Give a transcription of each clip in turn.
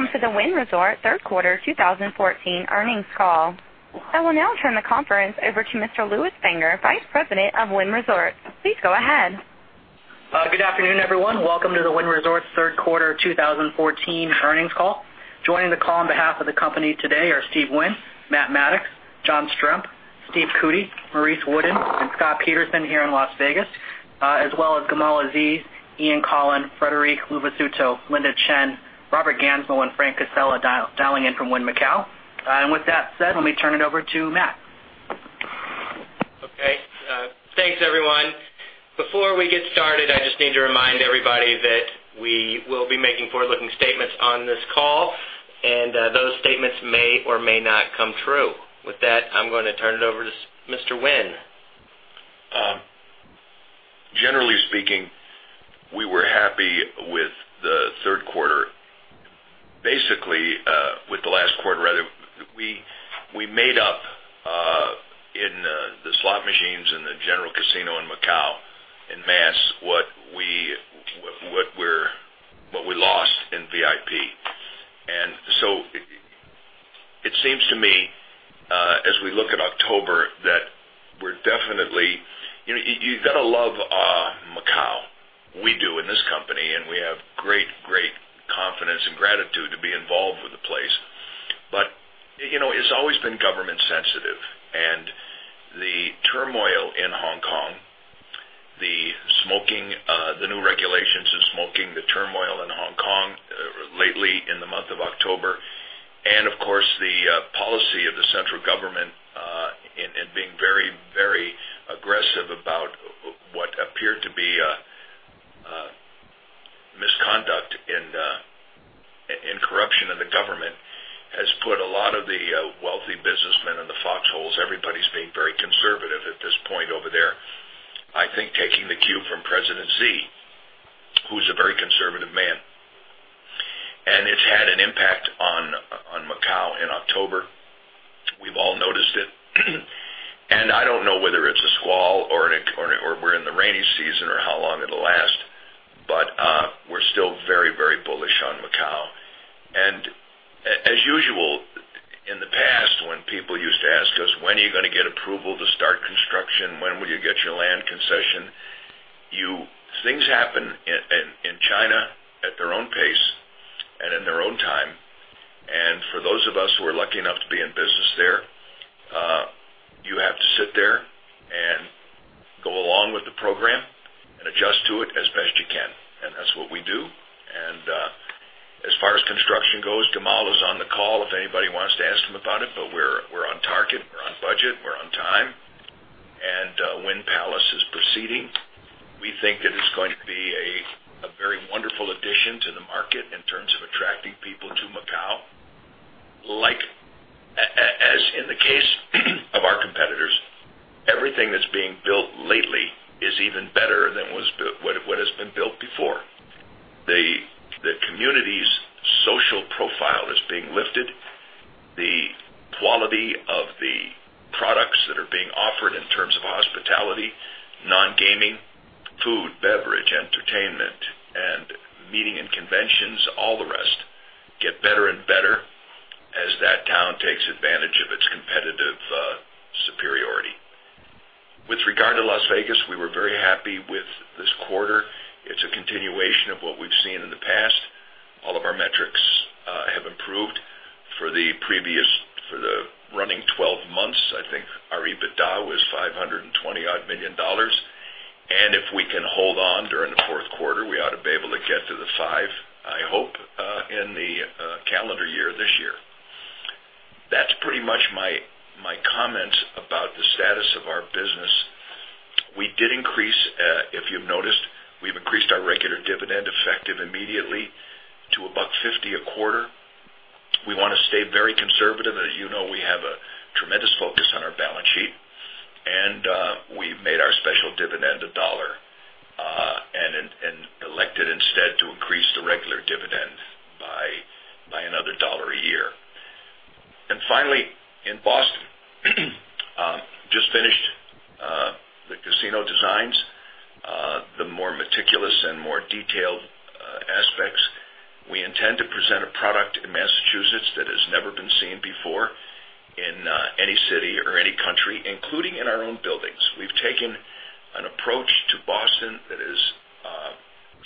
Welcome to the Wynn Resorts third quarter 2014 earnings call. I will now turn the conference over to Mr. Lewis Finger, Vice President of Wynn Resorts. Please go ahead. Good afternoon, everyone. Welcome to the Wynn Resorts third quarter 2014 earnings call. Joining the call on behalf of the company today are Steve Wynn, Matt Maddox, John Strzemp, Steve Cootey, Maurice Wooden, and Scott Peterson here in Las Vegas, as well as Gamal Aziz, Ian Coughlan, Frederic Luvisutto, Linda Chen, Robert Gansmo, and Frank Casella dialing in from Wynn Macau. With that said, let me turn it over to Matt. Okay. Thanks, everyone. Before we get started, I just need to remind everybody that we will be making forward-looking statements on this call, and those statements may or may not come true. With that, I'm going to turn it over to Mr. Wynn. Generally speaking, we were happy with the third quarter. Basically, with the last quarter, rather, we made up in the slot machines and the general casino in Macau, in mass, what we lost in VIP. It seems to me, as we look at October, that we're definitely. You've got to love Macau. We do in this company, and we have great confidence and gratitude to be involved with the place. It's always been government sensitive, and the turmoil in Hong Kong, the new regulations in smoking, the turmoil in Hong Kong lately in the month of October, and of course, the policy of the central government in being very aggressive about what appeared to be misconduct and corruption in the government has put a lot of the wealthy businessmen in the foxholes. Everybody's being very conservative at this point over there. I think taking the cue from Xi Jinping, who's a very conservative man. It's had an impact on Macau in October. We've all noticed it. I don't know whether it's a squall or we're in the rainy season or how long it'll last, but we're still very bullish on Macau. As usual, in the past, when people used to ask us, "When are you going to get approval to start construction? When will you get your land concession?" Things happen in China at their own pace and in their own time. For those of us who are lucky enough to be in business there, you have to sit there and go along with the program and adjust to it as best you can. That's what we do. As far as construction goes, Gamal is on the call if anybody wants to ask him about it, but we're on target, we're on budget, we're on time. Wynn Palace is proceeding. We think that it's going to be a very wonderful addition to the market in terms of attracting people to Macau. As in the case of our competitors, everything that's being built lately is even better than what has been built before. The community's social profile is being lifted. The quality of the products that are being offered in terms of hospitality, non-gaming, food, beverage, entertainment, and meeting and conventions, all the rest, get better and better as that town takes advantage of its competitive superiority. With regard to Las Vegas, we were very happy with this quarter. It's a continuation of what we've seen in the past. All of our metrics have improved for the previous, for the running 12 months. I think our EBITDA was $520-odd million. If we can hold on during the fourth quarter, we ought to be able to get to the five, I hope, in the calendar year this year. That's pretty much my comments about the status of our business. We did increase, if you've noticed, we've increased our regular dividend, effective immediately, to $1.50 a quarter. We want to stay very conservative. As you know, we have a tremendous focus on our balance sheet, and we've made our special dividend $1 and elected instead to increase the regular dividend by another $1 a year. Finally, in Boston, just finished the casino designs, the more meticulous and more detailed aspects. We intend to present a product in Massachusetts that has never been seen before in any city or any country, including in our own buildings. We've taken an approach to Boston that is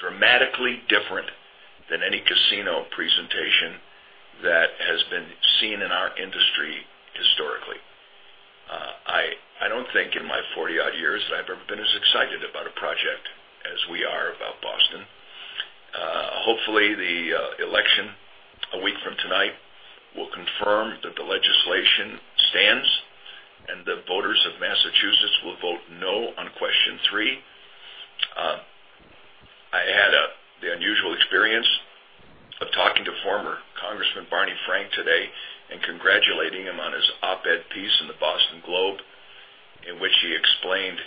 dramatically different than any casino presentation that has been seen in our industry historically. I don't think in my 40-odd years that I've ever been as excited about a project as we are about Boston. Hopefully, the election a week from tonight will confirm that the legislation stands and the voters of Massachusetts will vote no on Question 3. I had the unusual experience of talking to former Congressman Barney Frank today and congratulating him on his op-ed piece in The Boston Globe, in which he explained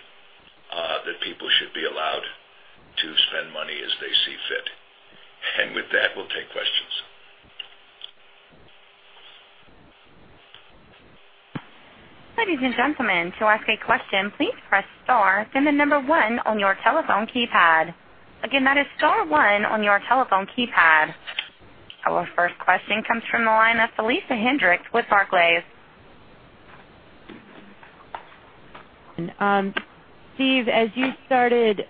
that people should be allowed to spend money as they see fit. With that, we'll take questions. Ladies and gentlemen, to ask a question, please press star, then the number one on your telephone keypad. Again, that is star one on your telephone keypad. Our first question comes from the line of Felicia Hendrix with Barclays. Steve, as you started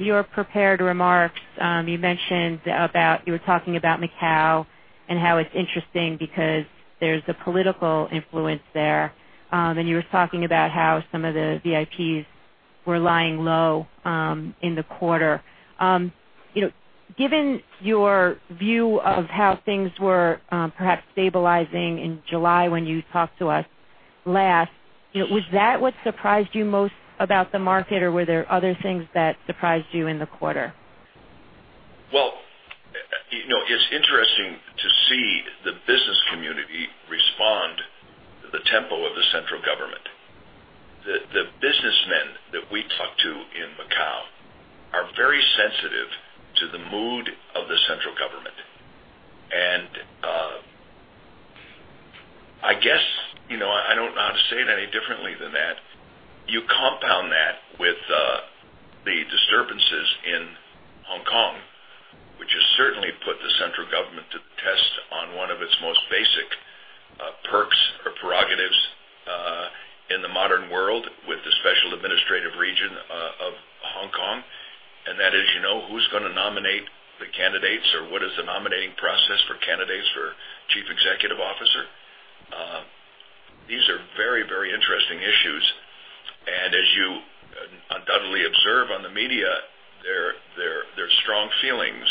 your prepared remarks, you were talking about Macau and how it's interesting because there's a political influence there. You were talking about how some of the VIPs were lying low in the quarter. Given your view of how things were perhaps stabilizing in July when you talked to us last, was that what surprised you most about the market, or were there other things that surprised you in the quarter? Well, it's interesting to see the business community respond to the tempo of the central government. The businessmen that we talk to in Macau are very sensitive to the mood of the central government. I guess, I don't know how to say it any differently than that. You compound that with the disturbances in Hong Kong, which has certainly put the central government to the test on one of its most basic perks or prerogatives, in the modern world with the special administrative region of Hong Kong. That is who's going to nominate the candidates or what is the nominating process for candidates for chief executive officer? These are very interesting issues, as you undoubtedly observe on the media, there are strong feelings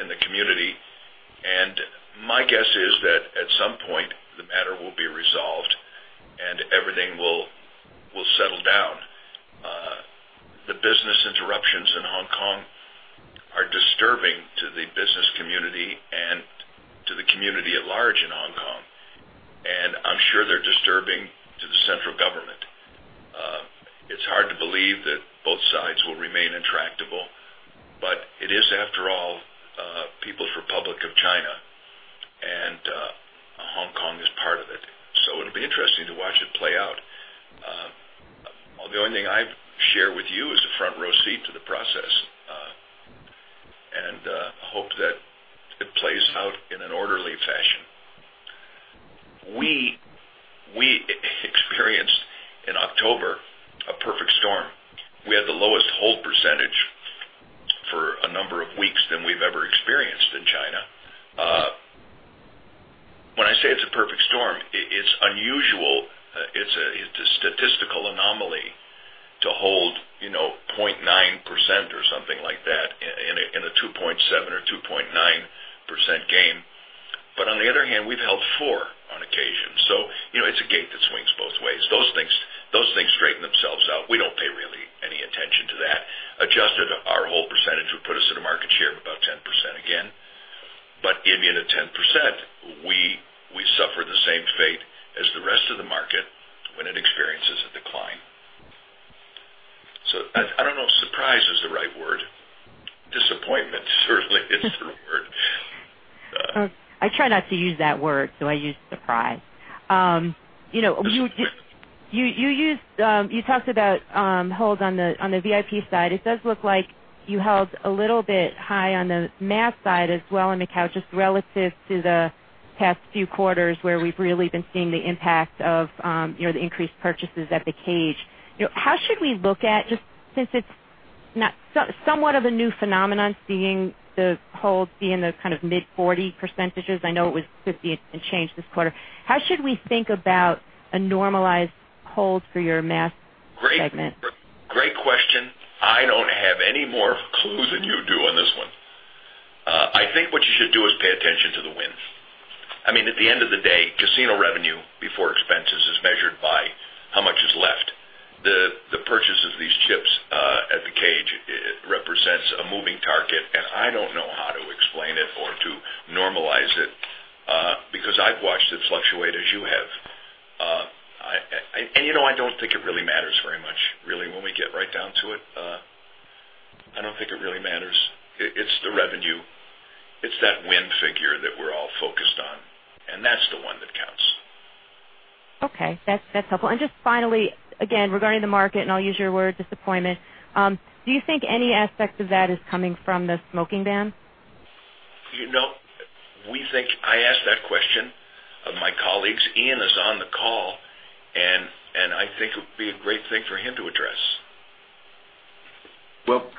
in the community, my guess is that at some point the matter will be resolved and everything will settle down. The business interruptions in Hong Kong are disturbing to the business community and to the community at large in Hong Kong, I'm sure they're disturbing to the central government. It's hard to believe that both sides will remain intractable, it is, after all, People's Republic of China, Hong Kong is part of it. It'll be interesting to watch it play out. The only thing I share with you is a front-row seat to the process, I hope that it plays out in an orderly fashion. We experienced in October a perfect storm. We had the lowest hold percentage for a number of weeks than we've ever experienced in China. When I say it's a perfect storm, it's unusual. It's a statistical anomaly to hold 0.9% or something like that in a 2.7% or 2.9% game. On the other hand, we've held four on occasion. It's a gate that swings both ways. Those things straighten themselves out. We don't pay really any attention to that. Adjusted, our hold percentage would put us at a market share of about 10% again. Even at 10%, we suffer the same fate as the rest of the market when it experiences a decline. I don't know if surprise is the right word. Disappointment certainly is the word. I try not to use that word, so I use surprise. You talked about holds on the VIP side. It does look like you held a little bit high on the mass side as well in Macau, just relative to the past few quarters, where we've really been seeing the impact of the increased purchases at the cage. How should we look at, just since it's somewhat of a new phenomenon, seeing the holds be in the mid-40 percentages? I know it was 50 and change this quarter. How should we think about a normalized hold for your mass segment? Great question. I don't have any more clues than you do on this one. I think what you should do is pay attention to the wins. At the end of the day, casino revenue before expenses is measured by how much is left. The purchase of these chips at the cage represents a moving target, and I don't know how to explain it or to normalize it, because I've watched it fluctuate as you have. I don't think it really matters very much, really, when we get right down to it. I don't think it really matters. It's the revenue. It's that win figure that we're all focused on, and that's the one that counts. Okay. That's helpful. Just finally, again, regarding the market, and I'll use your word, disappointment, do you think any aspect of that is coming from the smoking ban? I asked that question of my colleagues. Ian is on the call, I think it would be a great thing for him to address. Well,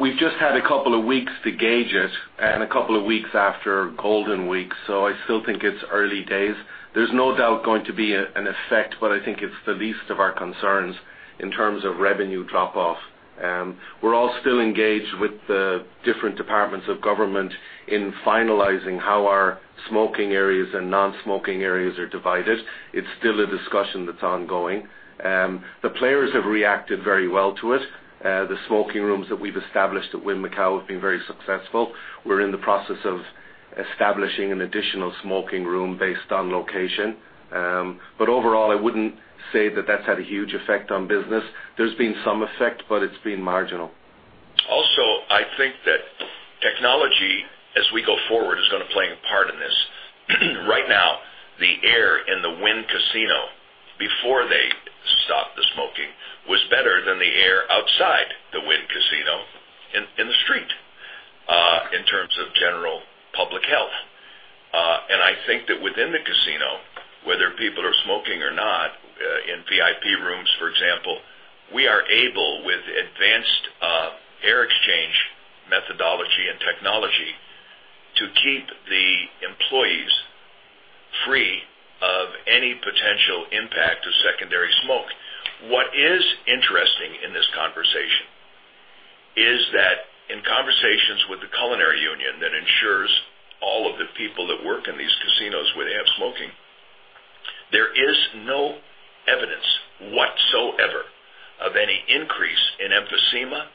we've just had a couple of weeks to gauge it and a couple of weeks after Golden Week, I still think it's early days. There's no doubt going to be an effect, but I think it's the least of our concerns in terms of revenue drop-off. We're all still engaged with the different departments of government in finalizing how our smoking areas and non-smoking areas are divided. It's still a discussion that's ongoing. The players have reacted very well to it. The smoking rooms that we've established at Wynn Macau have been very successful. We're in the process of establishing an additional smoking room based on location. Overall, I wouldn't say that that's had a huge effect on business. There's been some effect, but it's been marginal. Also, I think that Technology, as we go forward, is going to play a part in this. Right now, the air in the Wynn casino, before they stopped the smoking, was better than the air outside the Wynn casino in the street, in terms of general public health. I think that within the casino, whether people are smoking or not, in VIP rooms, for example, we are able, with advanced air exchange methodology and technology, to keep the employees free of any potential impact of secondary smoke. What is interesting in this conversation is that in conversations with the Culinary Union, that ensures all of the people that work in these casinos where they have smoking, there is no evidence whatsoever of any increase in emphysema,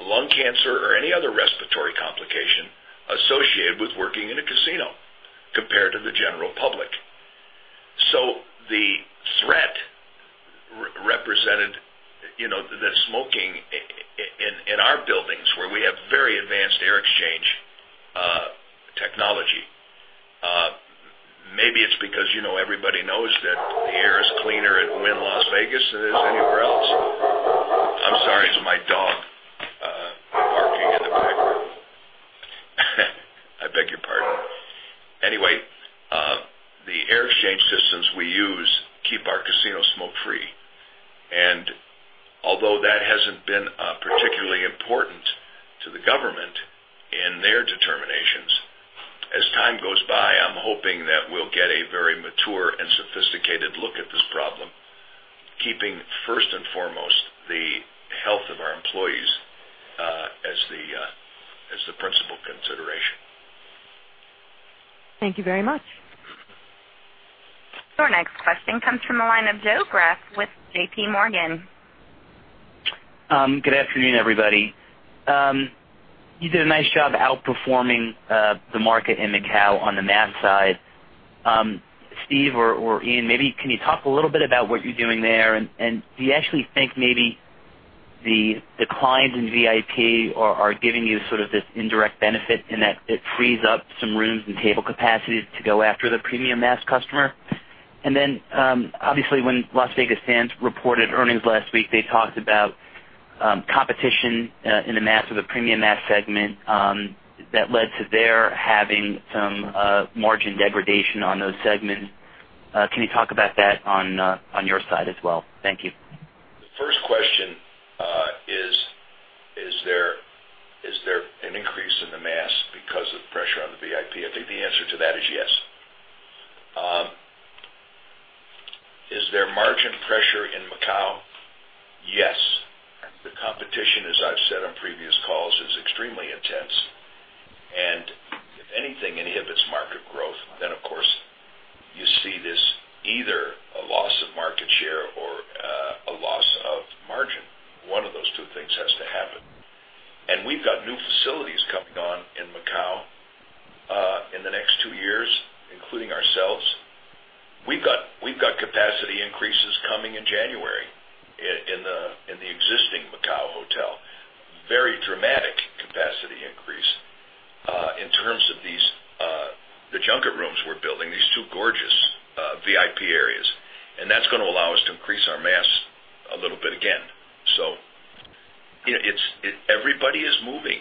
lung cancer, or any other respiratory complication associated with working in a casino compared to the general public. The threat represented the smoking in our buildings where we have very advanced air exchange technology. Maybe it's because everybody knows that the air is cleaner at Wynn Las Vegas than it is anywhere else. I'm sorry, it's my dog barking in the background. I beg your pardon. Anyway, the air exchange systems we use keep our casino smoke-free. Although that hasn't been particularly important to the government in their determinations, as time goes by, I'm hoping that we'll get a very mature and sophisticated look at this problem, keeping first and foremost the health of our employees as the principal consideration. Thank you very much. Our next question comes from the line of Joe Greff with JPMorgan. Good afternoon, everybody. You did a nice job outperforming the market in Macau on the mass side. Steve or Ian, maybe can you talk a little bit about what you're doing there, and do you actually think maybe the declines in VIP are giving you sort of this indirect benefit in that it frees up some rooms and table capacity to go after the premium mass customer? Obviously, when Las Vegas Sands reported earnings last week, they talked about competition in the mass or the premium mass segment that led to their having some margin degradation on those segments. Can you talk about that on your side as well? Thank you. The first question is there an increase in the mass because of pressure on the VIP? I think the answer to that is yes. Is there margin pressure in Macao? Yes. The competition, as I've said on previous calls, is extremely intense. If anything inhibits market growth, then of course, you see this, either a loss of market share or a loss of margin. One of those two things has to happen. We've got new facilities coming on in Macao in the next two years, including ourselves. We've got capacity increases coming in January in the existing Macao hotel. Very dramatic capacity increase in terms of the junket rooms we're building, these two gorgeous VIP areas. That's going to allow us to increase our mass a little bit again. Everybody is moving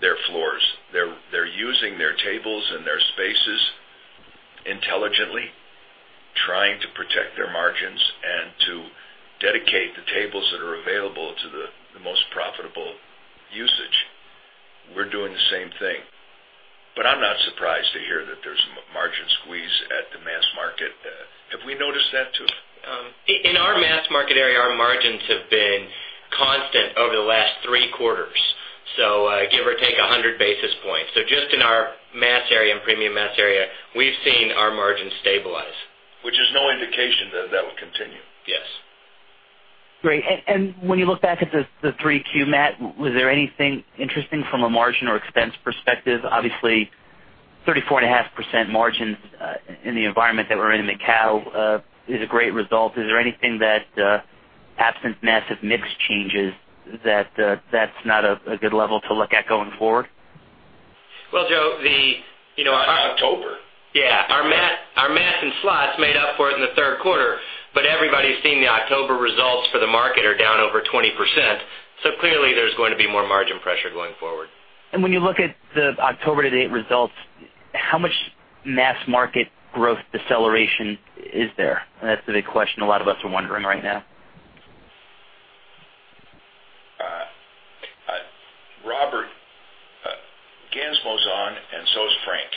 their floors. They're using their tables and their spaces intelligently, trying to protect their margins and to dedicate the tables that are available to the most profitable usage. We're doing the same thing. I'm not surprised to hear that there's margin squeeze at the mass market. Have we noticed that too? In our mass market area, our margins have been constant over the last three quarters, give or take 100 basis points. Just in our mass area and premium mass area, we've seen our margins stabilize. Which is no indication that that will continue. Yes. Great. When you look back at the 3Q, Matt, was there anything interesting from a margin or expense perspective? Obviously, 34.5% margins in the environment that we're in, Macau, is a great result. Is there anything that, absent massive mix changes, that's not a good level to look at going forward? Well, Joe. October. Yeah. Our mass and slots made up for it in the third quarter. Everybody's seeing the October results for the market are down over 20%. Clearly there's going to be more margin pressure going forward. When you look at the October to date results, how much mass market growth deceleration is there? That's the big question a lot of us are wondering right now. Robert, Gansmo's on, and so is Frank.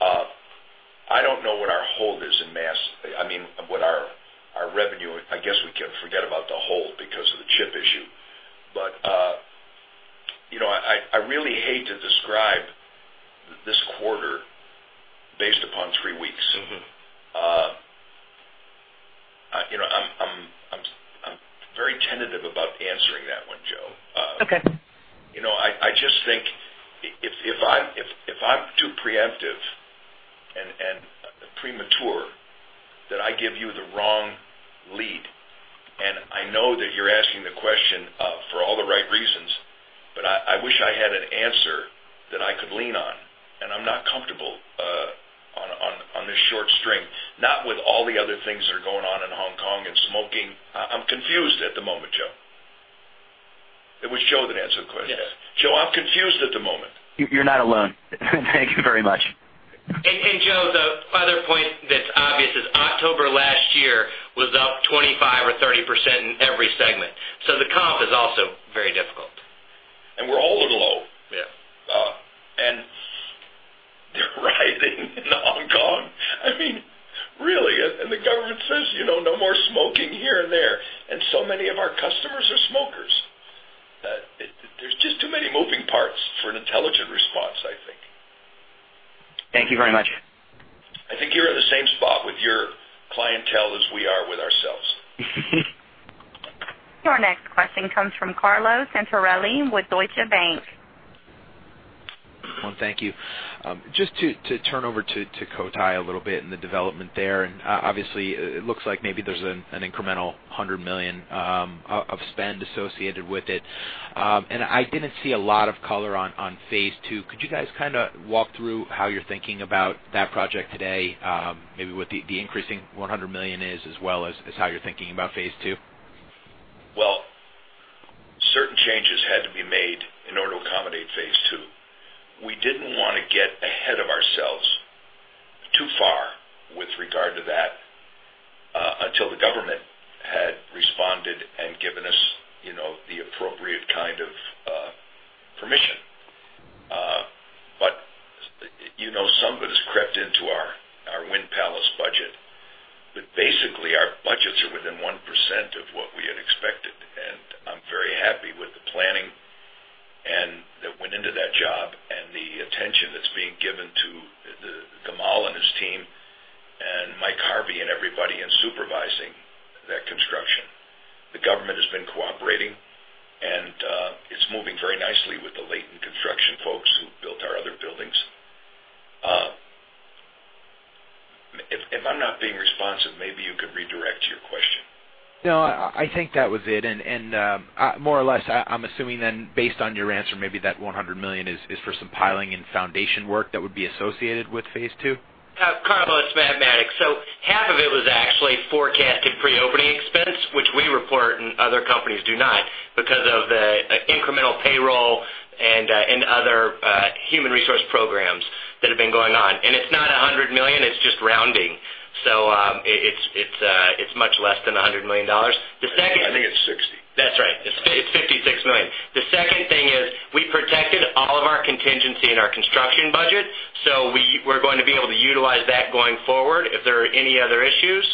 I don't know what our hold is in mass. I mean, what our revenue, I guess we can forget about the hold because of the chip issue. I really hate to describe this quarter based upon three weeks. I'm very tentative about answering that one, Joe. Okay. I just think if I'm too preemptive and premature that I give you the wrong lead. I know that you're asking the question for all the right reasons, I wish I had an answer that I could lean on, I'm not comfortable on this short string, not with all the other things that are going on in Hong Kong and smoking. I'm confused at the moment, Joe. It was Joe that asked the question. Yes. Joe, I'm confused at the moment. You're not alone. Thank you very much. Joe, the other point that's obvious is October last year was up 25% or 30% in every segment, the comp is also very difficult. We're all alone. Yeah. They're rising in Hong Kong. Really, the government says, no more smoking here and there, so many of our customers are smokers. There's just too many moving parts for an intelligent response, I think. Thank you very much. I think you're in the same spot with your clientele as we are with ourselves. Your next question comes from Carlo Santarelli with Deutsche Bank. Thank you. Just to turn over to Cotai a little bit and the development there, obviously it looks like maybe there's an incremental $100 million of spend associated with it. I didn't see a lot of color on phase 2. Could you guys walk through how you're thinking about that project today? Maybe what the increasing $100 million is as well as how you're thinking about phase 2? Well, certain changes had to be made in order to accommodate phase 2. We didn't want to get ahead of ourselves too far with regard to that until the government had responded and given us the appropriate kind of permission. Some of it has crept into our Wynn Palace budget. Basically, our budgets are within 1% of what we had expected, I'm very happy with the planning that went into that job and the attention that's being given to Gamal and his team and Mike Harvey and everybody in supervising that construction. The government has been cooperating, it's moving very nicely with the Leighton Construction folks who built our other buildings. If I'm not being responsive, maybe you could redirect your question. No, I think that was it. More or less, I'm assuming then, based on your answer, maybe that $100 million is for some piling and foundation work that would be associated with phase 2. Carlo, it's Matt Maddox. Half of it was actually forecasted pre-opening expense, which we report and other companies do not because of the incremental payroll and other human resource programs that have been going on. It's not $100 million, it's just rounding. It's much less than $100 million. I think it's $60. That's right. It's $56 million. The second thing is we protected all of our contingency in our construction budget. We're going to be able to utilize that going forward if there are any other issues.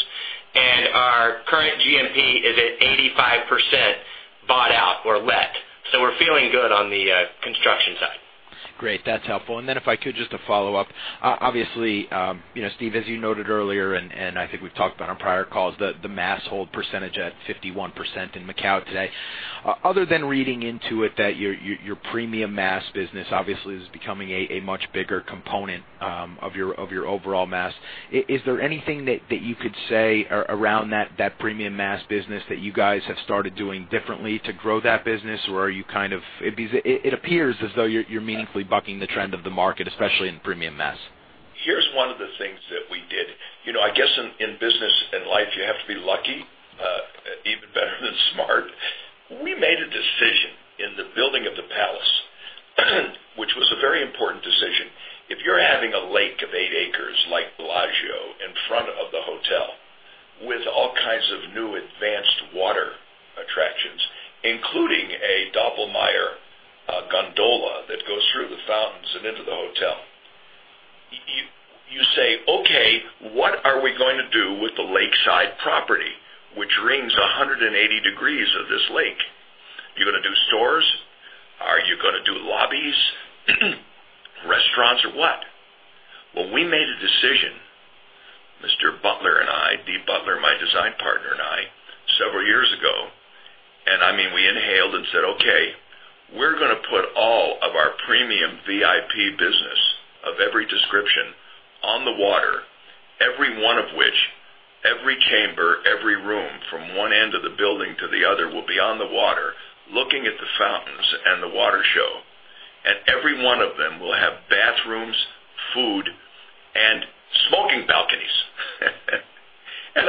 Our current GMP is at 85% bought out or let. We're feeling good on the construction side. Great. That's helpful. If I could just a follow-up. Obviously, Steve, as you noted earlier, and I think we've talked about on prior calls, the mass hold percentage at 51% in Macau today. Other than reading into it that your premium mass business obviously is becoming a much bigger component of your overall mass, is there anything that you could say around that premium mass business that you guys have started doing differently to grow that business? Or are you It appears as though you're meaningfully bucking the trend of the market, especially in premium mass. Here's one of the things that we did. I guess in business and life, you have to be lucky, even better than smart. We made a decision in the building of the Palace, which was a very important decision. If you're having a lake of eight acres like Bellagio in front of the hotel with all kinds of new advanced water attractions, including a Doppelmayr gondola that goes through the fountains and into the hotel. You say, "Okay, what are we going to do with the lakeside property, which rings 180 degrees of this lake? Are you gonna do stores? Are you gonna do lobbies, restaurants or what?" Well, we made a decision, DeRuyter Butler and I, Steve Butler, my design partner and I, several years ago, we inhaled and said, "Okay, we're going to put all of our premium VIP business of every description on the water, every one of which, every chamber, every room from one end of the building to the other, will be on the water looking at the fountains and the water show. Every one of them will have bathrooms, food, and smoking balconies."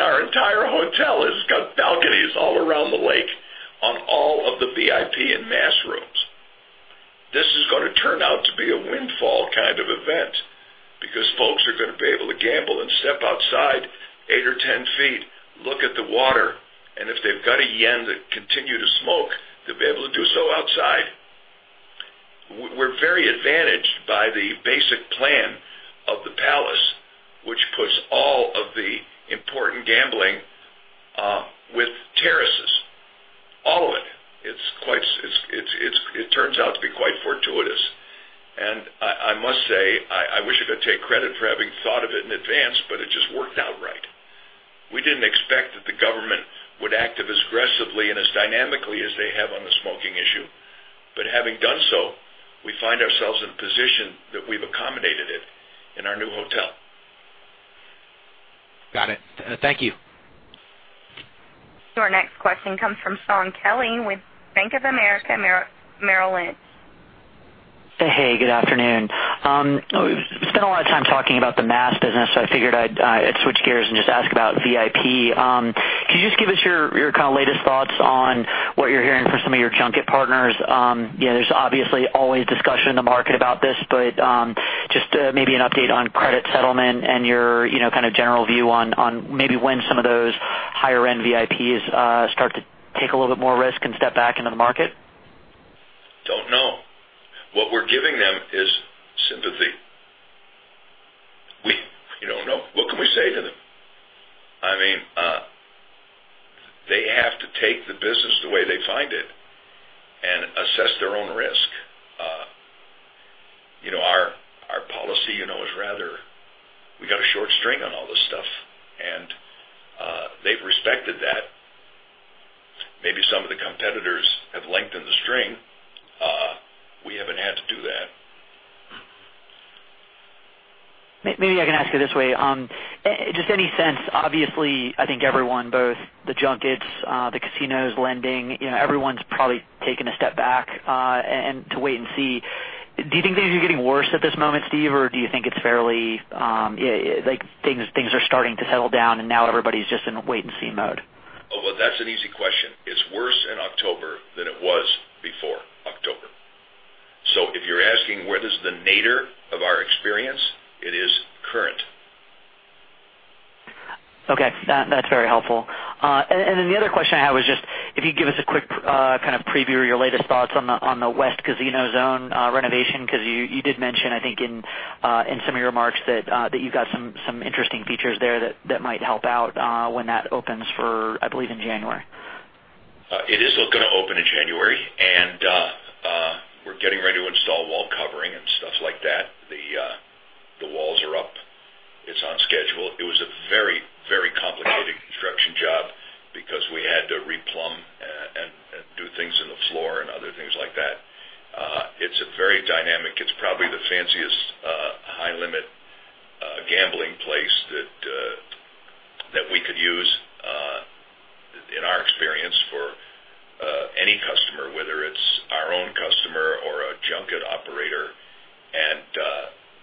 Our entire hotel has got balconies all around the lake on all of the VIP and mass rooms. This is going to turn out to be a windfall kind of event because folks are going to be able to gamble and step outside eight or 10 feet, look at the water, and if they've got a yen to continue to smoke, they'll be able to do so outside. We're very advantaged by the basic plan of the Palace, which puts all of the important gambling with terraces, all of it. It turns out to be quite fortuitous. I must say, I wish I could take credit for having thought of it in advance, but it just worked out right. We didn't expect that aggressively and as dynamically as they have on the smoking issue. Having done so, we find ourselves in a position that we've accommodated it in our new hotel. Got it. Thank you. Your next question comes from Shaun Kelley with Bank of America Merrill Lynch. Hey, good afternoon. We've spent a lot of time talking about the mass business, so I figured I'd switch gears and just ask about VIP. Could you just give us your latest thoughts on what you're hearing from some of your junket partners? There's obviously always discussion in the market about this, but just maybe an update on credit settlement and your general view on maybe when some of those higher-end VIPs start to take a little bit more risk and step back into the market. Don't know. What we're giving them is sympathy. We don't know. What can we say to them? They have to take the business the way they find it and assess their own risk. Our policy is rather, we got a short string on all this stuff, and they've respected that. Maybe some of the competitors have lengthened the string. We haven't had to do that. Maybe I can ask you this way. Just any sense, obviously, I think everyone, both the junkets, the casinos, lending, everyone's probably taken a step back to wait and see. Do you think things are getting worse at this moment, Steve, or do you think it's fairly, like things are starting to settle down, and now everybody's just in wait-and-see mode? Well, that's an easy question. It's worse in October than it was before October. If you're asking whether this is the nadir of our experience, it is current. Okay. That's very helpful. The other question I have is just if you could give us a quick preview of your latest thoughts on the West Casino Zone renovation, because you did mention, I think in some of your remarks, that you've got some interesting features there that might help out when that opens for, I believe, in January. It is going to open in January. We're getting ready to install wall covering and stuff like that. The walls are up. It's on schedule. It was a very, very complicated construction job because we had to replumb and do things in the floor and other things like that. It's very dynamic. It's probably the fanciest high-limit gambling place that we could use, in our experience, for any customer, whether it's our own customer or a junket operator.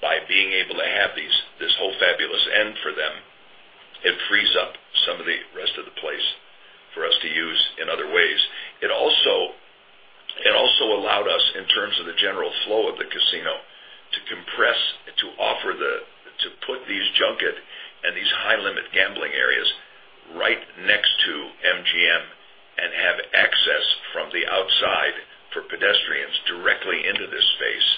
By being able to have this whole fabulous end for them, it frees up some of the rest of the place for us to use in other ways. It also allowed us, in terms of the general flow of the casino, to compress, to offer, to put these junket and these high-limit gambling areas right next to MGM and have access from the outside for pedestrians directly into this space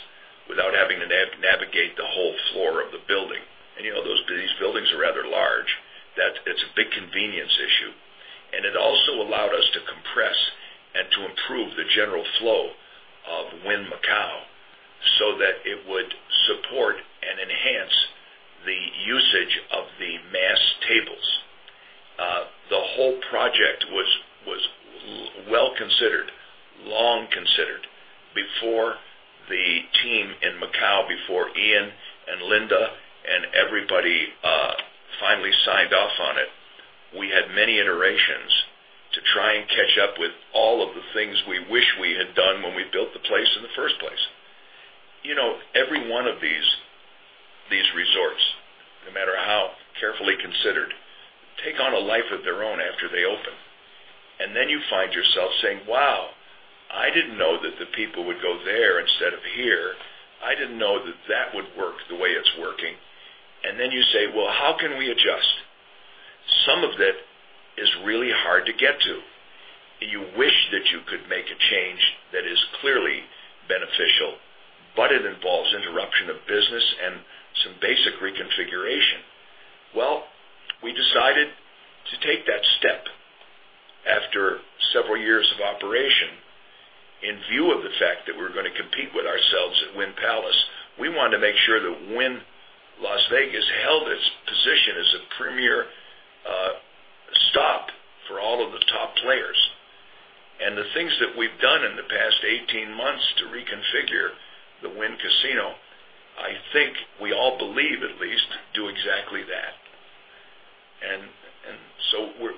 without having to navigate the whole floor of the building. These buildings are rather large. It's a big convenience issue. It also allowed us to compress and to improve the general flow of Wynn Macau so that it would support and enhance the usage of the mass tables. The whole project was well considered, long considered before the team in Macau, before Ian and Linda, and everybody finally signed off on it. We had many iterations to try and catch up with all of the things we wish we had done when we built the place in the first place. Every one of these resorts, no matter how carefully considered, take on a life of their own after they open. You find yourself saying, "Wow, I didn't know that the people would go there instead of here. I didn't know that that would work the way it's working." You say, "Well, how can we adjust?" Some of it is really hard to get to. You wish that you could make a change that is clearly beneficial, but it involves interruption of business and some basic reconfiguration. Well, we decided to take that step after several years of operation, in view of the fact that we're going to compete with ourselves at Wynn Palace. We wanted to make sure that Wynn Las Vegas held its position as a premier stop for all of the top players. The things that we've done in the past 18 months to reconfigure the Wynn casino, I think we all believe, at least, do exactly that.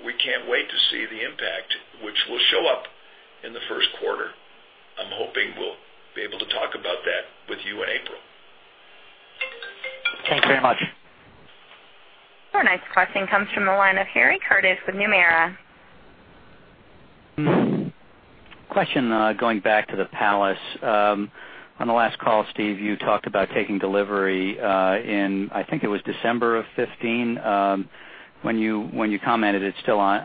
We can't wait to see the impact, which will show up in the first quarter. I'm hoping we'll be able to talk about that with you in April. Thanks very much. Your next question comes from the line of Harry Curtis with Nomura. Question. Going back to the Palace. On the last call, Steve, you talked about taking delivery in, I think it was December of 2015. When you commented it's still on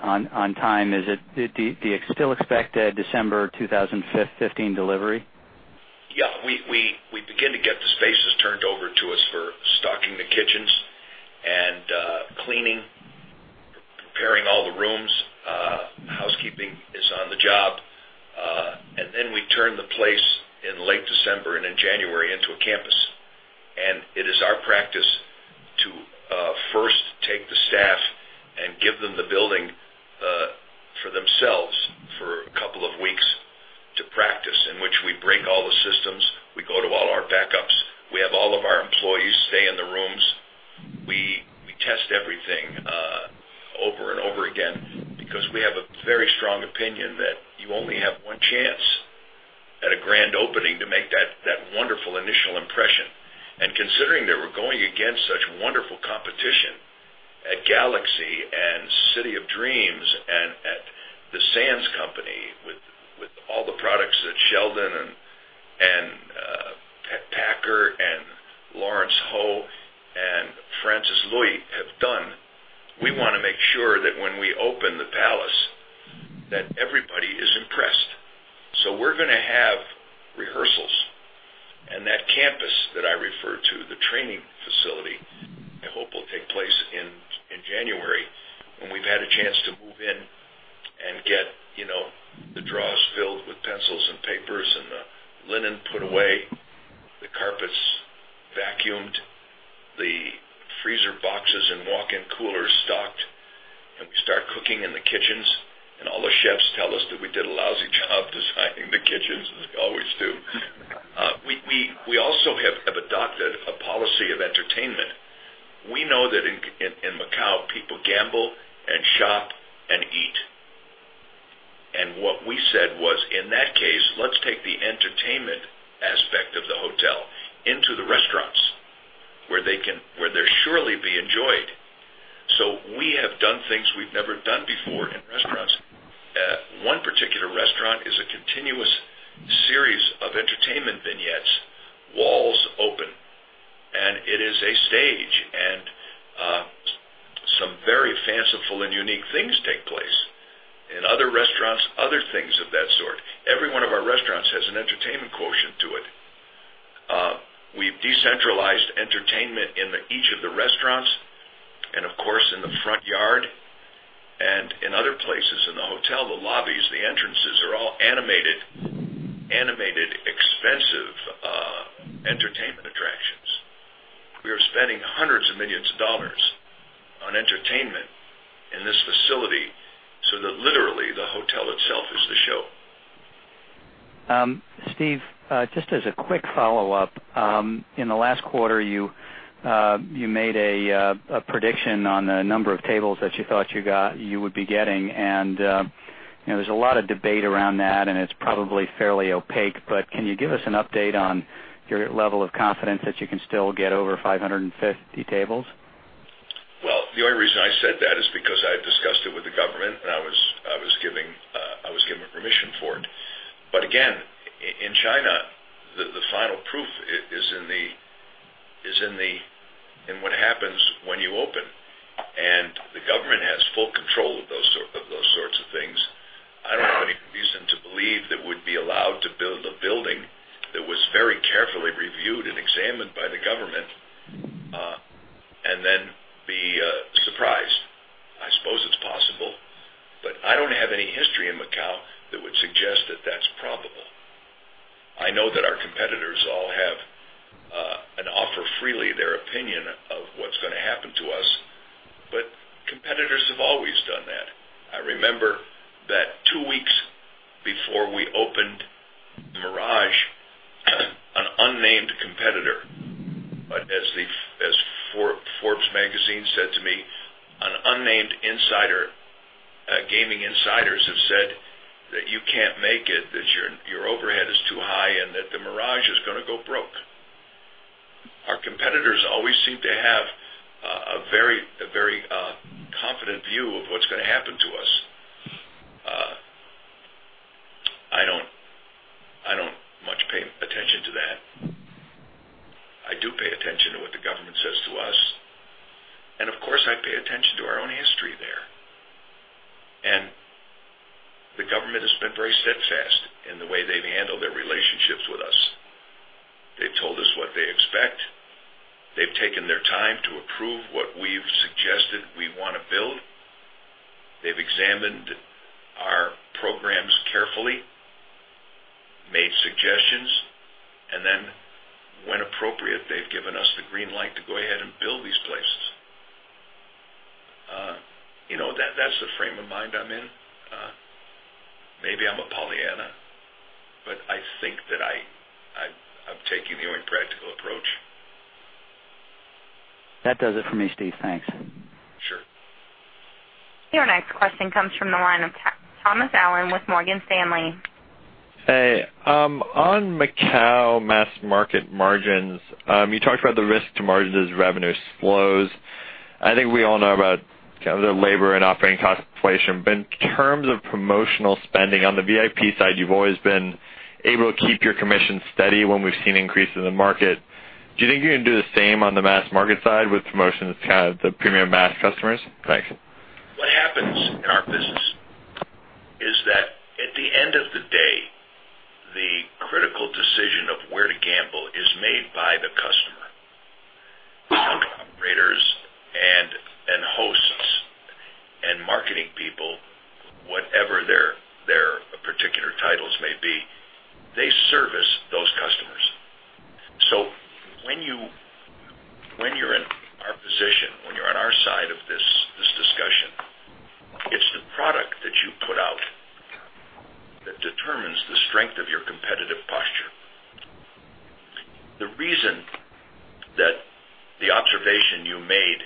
time. Do you still expect a December 2015 delivery? Yeah. We begin to get the spaces turned over to us for stocking the kitchens and cleaning, preparing all the rooms. Housekeeping is on the job. We turn the place in late December and in January into a campus. It is our practice to first take the staff and give them the building for themselves for a couple of weeks to practice, in which we break all the systems, we go to all our backups, we have all of our employees stay in the rooms. We test everything over and over again because we have a very strong opinion that you only have one chance at a grand opening to make that wonderful initial impression. Considering that we're going against such wonderful competition at Galaxy and City of Dreams and at the Sands company, with all the products that Sheldon and Packer and Lawrence Ho and Francis Lui have done, we want to make sure that when we open the Palace, that everybody is impressed. We're going to have rehearsals. That campus that I refer to, the training facility, I hope, will take place in January, when we've had a chance to move in and get the drawers filled with pencils and papers and the linen put away, the carpets vacuumed, the freezer boxes and walk-in coolers stocked, and we start cooking in the kitchens, and all the chefs tell us that we did a lousy job designing the kitchens, as we always do. We also have adopted a policy of entertainment. We know that in Macau, people gamble and shop and eat. What we said was, "In that case, let's take the entertainment aspect of the hotel into the restaurants, where they'll surely be enjoyed." We have done things we've never done before in restaurants. One particular restaurant is a continuous series of entertainment vignettes, walls open, and it is a stage. Some very fanciful and unique things take place. In other restaurants, other things of that sort. Every one of our restaurants has an entertainment quotient to it. We've decentralized entertainment in each of the restaurants and of course, in the front yard and in other places in the hotel, the lobbies, the entrances are all animated, expensive entertainment attractions. We are spending hundreds of millions of dollars on entertainment in this facility, so that literally, the hotel itself is the show. Steve, just as a quick follow-up. In the last quarter, you made a prediction on the number of tables that you thought you would be getting, and there's a lot of debate around that, and it's probably fairly opaque, but can you give us an update on your level of confidence that you can still get over 550 tables? Well, the only reason I said that is because I had discussed it with the government, and I was given permission for it. Again, in China, the final proof is in what happens when you open. The government has full control of those sorts of things. I don't have any reason to believe that we'd be allowed to build a building that was very carefully reviewed and examined by the government, and then be surprised. I suppose it's possible, but I don't have any history in Macau that would suggest that that's probable. I know that our competitors all have and offer freely their opinion of what's going to happen to us, but competitors have always done that. I remember that two weeks before we opened The Mirage, an unnamed competitor, as Forbes magazine said to me, "An unnamed gaming insiders have said that you can't make it, that your overhead is too high, and that The Mirage is going to go broke." Our competitors always seem to have a very confident view of what's going to happen to us. I don't much pay attention to that. I do pay attention to what the government says to us, and of course I pay attention to our own history there. The government has been very steadfast in the way they've handled their relationships with us. They've told us what they expect. They've taken their time to approve what we've suggested we want to build. They've examined our programs carefully, made suggestions, and then when appropriate, they've given us the green light to go ahead and build these places. That's the frame of mind I'm in. Maybe I'm a Pollyanna, but I think that I'm taking the only practical approach. That does it for me, Steve. Thanks. Sure. Your next question comes from the line of Thomas Allen with Morgan Stanley. Hey. On Macau mass market margins, you talked about the risk to margins as revenues slows. I think we all know about kind of the labor and operating cost inflation. In terms of promotional spending, on the VIP side, you've always been able to keep your commission steady when we've seen increases in the market. Do you think you're going to do the same on the mass market side with promotions, kind of the premium mass customers? Thanks. What happens in our business is that at the end of the day, the critical decision of where to gamble is made by the customer People, whatever their particular titles may be, they service those customers. When you're in our position, when you're on our side of this discussion, it's the product that you put out that determines the strength of your competitive posture. The reason that the observation you made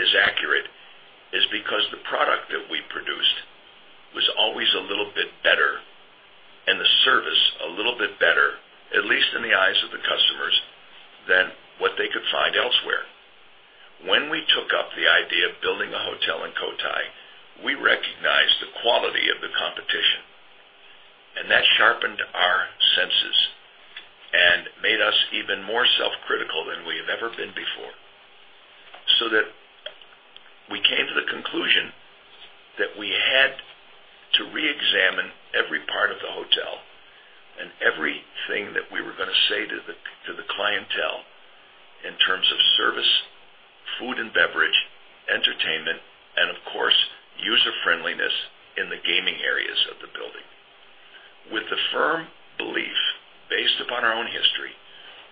is accurate is because the product that we produced was always a little bit better, and the service a little bit better, at least in the eyes of the customers, than what they could find elsewhere. When we took up the idea of building a hotel in Cotai, we recognized the quality of the competition, That sharpened our senses and made us even more self-critical than we have ever been before. We came to the conclusion that we had to reexamine every part of the hotel and everything that we were going to say to the clientele in terms of service, food and beverage, entertainment, and of course, user-friendliness in the gaming areas of the building. With the firm belief, based upon our own history,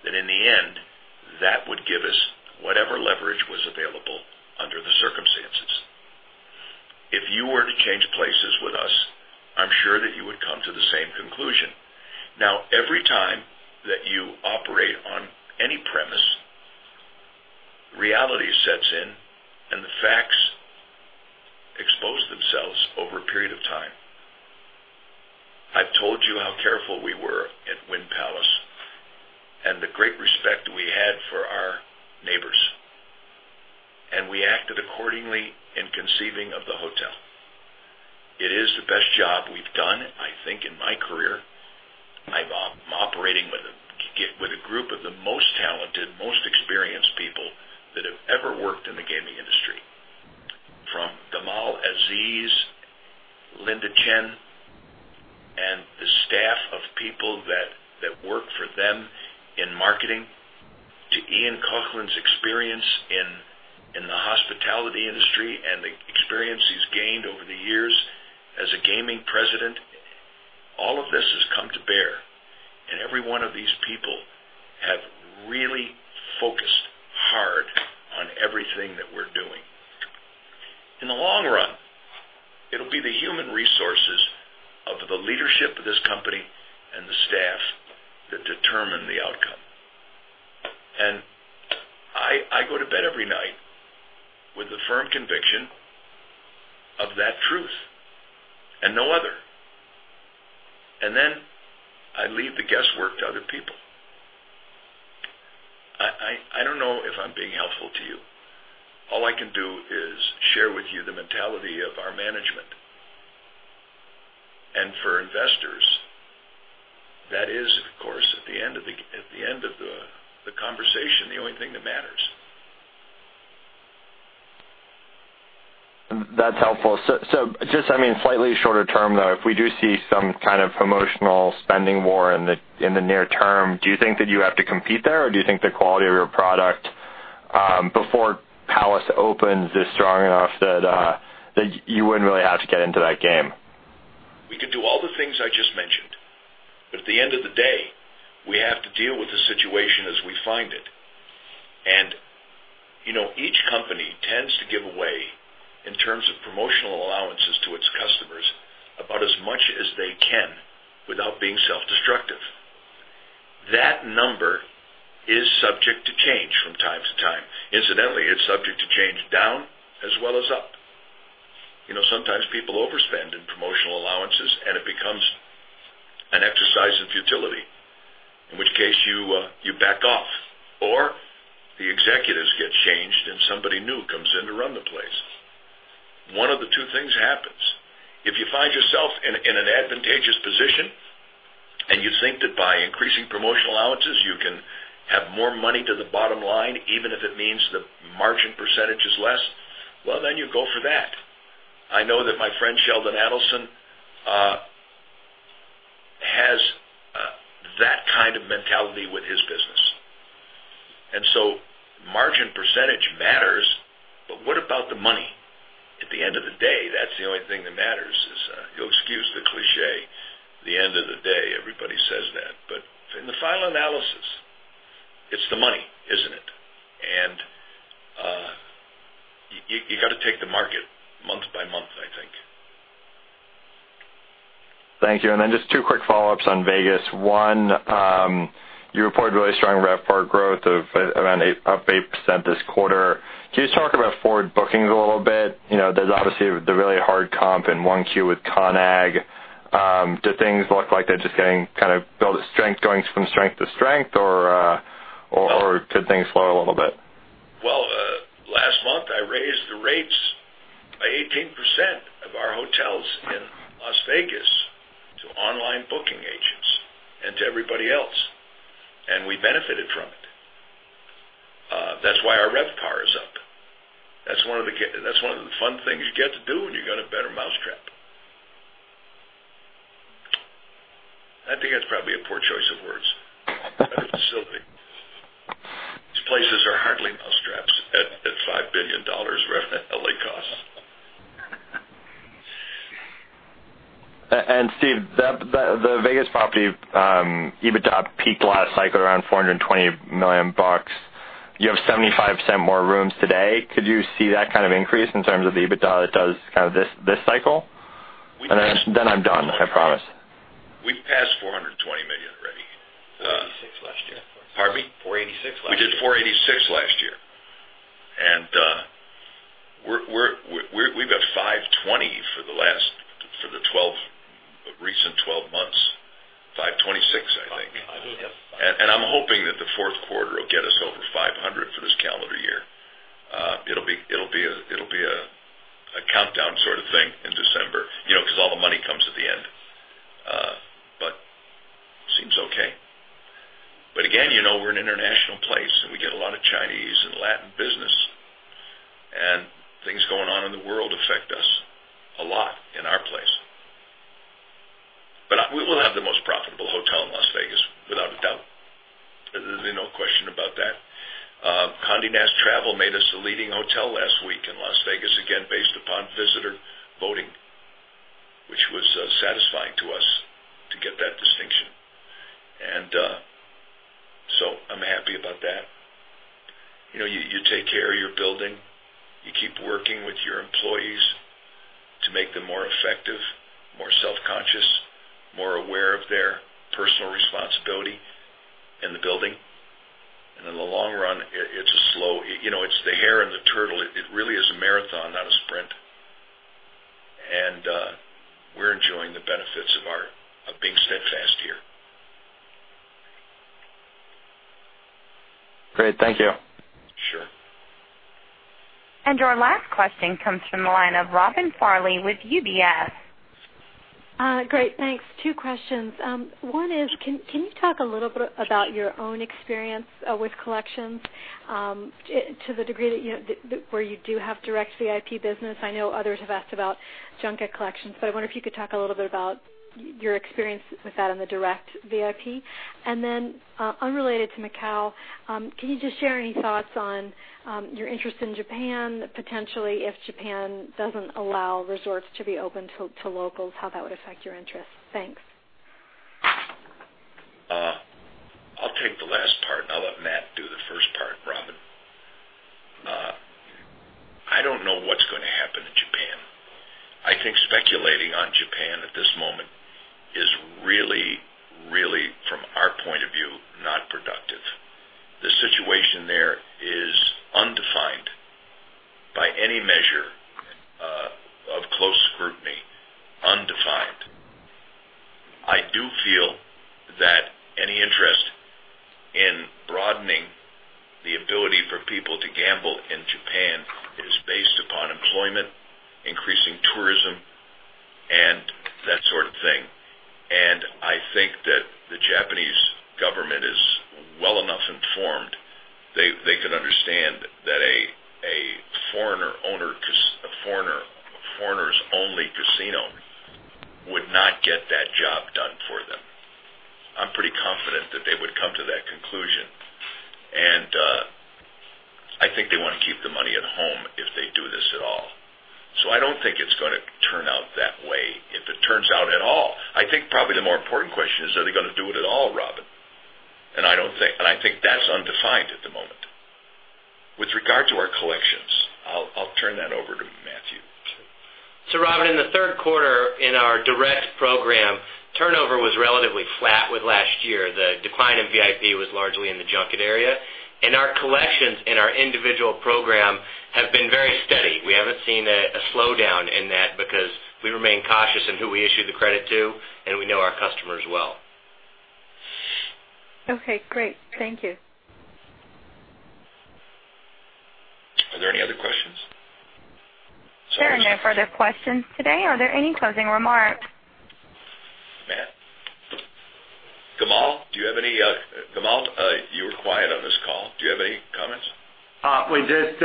that in the end, that would give us whatever leverage was available under the circumstances. If you were to change places with us, I'm sure that you would come to the same conclusion. Every time that you operate on any premise, reality sets in, and the facts expose themselves over a period of time. I've told you how careful we were at Wynn Palace and the great respect we had for our neighbors. We acted accordingly in conceiving of the hotel. It is the best job we've done, I think, in my career. I'm operating with a group of the most talented, most experienced people that have ever worked in the gaming industry. From Gamal Aziz, Linda Chen, and the staff of people that work for them in marketing, to Ian Coughlan's experience in the hospitality industry and the experience he's gained over the years as a gaming president, all of this has come to bear, and every one of these people have really focused hard on everything that we're doing. In the long run, it'll be the human resources of the leadership of this company and the staff that determine the outcome. I go to bed every night with the firm conviction of that truth and no other. I leave the guesswork to other people. I don't know if I'm being helpful to you. All I can do is share with you the mentality of our management. For investors, that is, of course, at the end of the conversation, the only thing that matters. That's helpful. Just slightly shorter term, though, if we do see some kind of promotional spending war in the near term, do you think that you have to compete there, or do you think the quality of your product before Palace opens is strong enough that you wouldn't really have to get into that game? We could do all the things I just mentioned, at the end of the day, we have to deal with the situation as we find it. Each company tends to give away, in terms of promotional allowances to its customers, about as much as they can without being self-destructive. That number is subject to change from time to time. Incidentally, it's subject to change down as well as up. Sometimes people overspend in promotional allowances, and it becomes an exercise in futility, in which case you back off, or the executives get changed, and somebody new comes in to run the place. One of the two things happens. If you find yourself in an advantageous position and you think that by increasing promotional allowances, you can have more money to the bottom line, even if it means the margin percentage is less, well, you go for that. I know that my friend Sheldon Adelson has that kind of mentality with his business. Margin percentage matters, but what about the money? At the end of the day, that's the only thing that matters is, you'll excuse the cliché, the end of the day, everybody says that. In the final analysis, it's the money, isn't it? You got to take the market month by month, I think. Thank you. Just two quick follow-ups on Vegas. One, you reported really strong RevPAR growth of around up 8% this quarter. Can you just talk about forward bookings a little bit? There's obviously the really hard comp in 1Q with CON/AGG. Do things look like they're just getting built strength, going from strength to strength, or could things slow a little bit? Well, last month, I raised the rates by 18% of our hotels in Las Vegas to online booking agents and to everybody else. We benefited from it. That's why our RevPAR is up. That's one of the fun things you get to do when you got a better mousetrap. I think that's probably a poor choice of words. Perhaps at $5 billion revenue, L.A. costs. Steve, the Vegas property, EBITDA peaked last cycle around $420 million. You have 75% more rooms today. Could you see that kind of increase in terms of EBITDA that does this cycle? Then I'm done, I promise. We passed $420 million already. $486 last year. Pardon me? $486 last year. We did $486 last year. We've got $520 for the recent 12 months, $526, I think. 585. I'm hoping that the fourth quarter will get us over $500 for this calendar year. It'll be a countdown sort of thing in December, because all the money comes at the end. Seems okay. Again, we're an international place, and we get a lot of Chinese and Latin business, and things going on in the world affect us a lot in our place. We will have the most profitable hotel in Las Vegas, without a doubt. No question about that. Condé Nast Traveler made us the leading hotel last week in Las Vegas, again, based upon visitor voting, which was satisfying to us to get that distinction. I'm happy about that. You take care of your building, you keep working with your employees to make them more effective, more self-conscious, more aware of their personal responsibility in the building. In the long run, it's the hare and the turtle. It really is a marathon, not a sprint. We're enjoying the benefits of being steadfast here. Great. Thank you. Sure. Our last question comes from the line of Robin Farley with UBS. Great, thanks. Two questions. One is, can you talk a little bit about your own experience with collections to the degree that where you do have direct VIP business? I know others have asked about junket collections, but I wonder if you could talk a little bit about your experience with that in the direct VIP. Then, unrelated to Macau, can you just share any thoughts on your interest in Japan, potentially if Japan doesn't allow resorts to be open to locals, how that would affect your interest? Thanks. I'll take the last part, and I'll let Matt do the first part, Robin. I don't know what's going to happen in Japan. I think speculating on Japan at this moment is really from our point of view, not productive. The situation there is undefined by any measure of close scrutiny. Undefined. I do feel that any interest in broadening the ability for people to gamble in Japan is based upon employment, increasing tourism, and that sort of thing. I think that the Japanese government is well enough informed. They could understand that a foreigner's only casino would not get that job done for them. I'm pretty confident that they would come to that conclusion. I think they want to keep the money at home if they do this at all. I don't think it's going to turn out that way, if it turns out at all. I think probably the more important question is, are they going to do it at all, Robin? I think that's undefined at the moment. With regard to our collections, I'll turn that over to Matt. Robin, in the third quarter in our direct program, turnover was relatively flat with last year. The decline in VIP was largely in the junket area, and our collections in our individual program have been very steady. We haven't seen a slowdown in that because we remain cautious in who we issue the credit to, and we know our customers well. Okay, great. Thank you. Are there any other questions? There are no further questions today. Are there any closing remarks? Matt? Gamal, you were quiet on this call. Do you have any comments? Just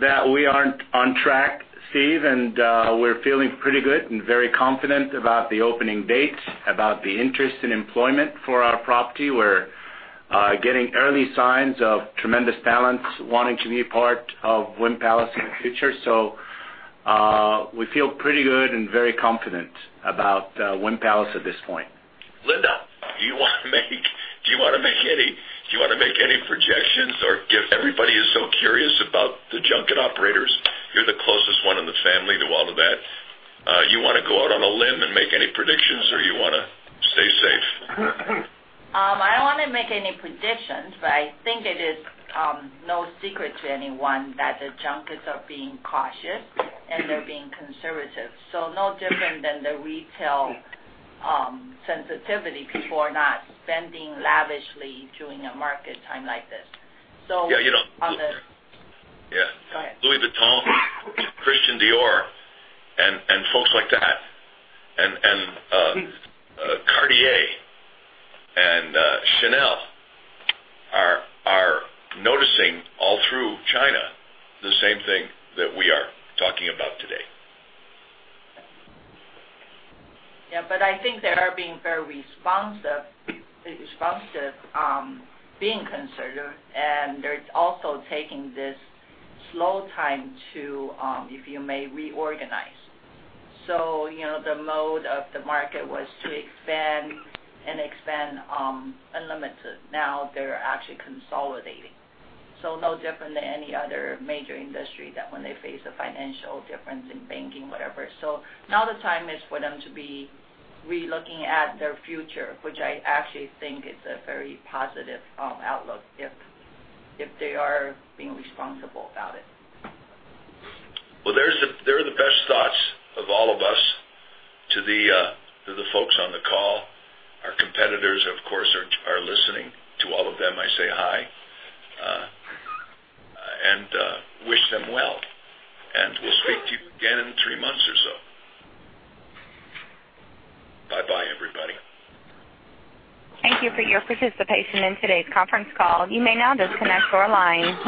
that we are on track, Steve, and we're feeling pretty good and very confident about the opening date, about the interest in employment for our property. We're getting early signs of tremendous talent wanting to be part of Wynn Palace in the future. We feel pretty good and very confident about Wynn Palace at this point. Linda, do you want to make any projections, or if everybody is so curious about the junket operators? You're the closest one in the family to all of that. You want to go out on a limb and make any predictions, or you want to stay safe? I don't want to make any predictions, but I think it is no secret to anyone that the junkets are being cautious and they're being conservative. No different than the retail sensitivity, people are not spending lavishly during a market time like this. Yeah. Go ahead. Louis Vuitton, Christian Dior, and folks like that, and Cartier, and Chanel are noticing all through China the same thing that we are talking about today. Yeah, I think they are being very responsive, being conservative, and they're also taking this slow time to, if you may, reorganize. The mode of the market was to expand and expand unlimited. Now they're actually consolidating. No different than any other major industry that when they face a financial difference in banking, whatever. Now the time is for them to be re-looking at their future, which I actually think is a very positive outlook if they are being responsible about it. Well, they're the best thoughts of all of us to the folks on the call. Our competitors, of course, are listening. To all of them, I say hi, and wish them well. We'll speak to you again in three months or so. Bye-bye, everybody. Thank you for your participation in today's conference call. You may now disconnect your line.